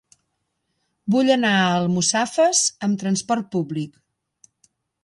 Vull anar a Almussafes amb transport públic.